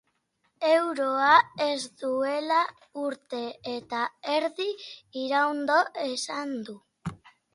Euroak ez duela urte eta erdi iraungo esan du.